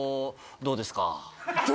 「どうですか？」。